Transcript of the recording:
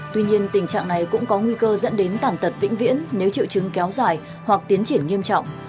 tuy nhiên tình trạng này cũng có nguy cơ dẫn đến tàn tật vĩnh viễn nếu triệu chứng kéo dài hoặc tiến triển nghiêm trọng